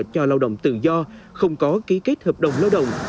cho lao động tự do không có ký kết hợp đồng lao động